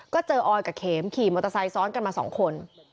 ก็เจอออยกับเข็มขี่มอเตอร์ไซค์ซ้อนกันมา๒คน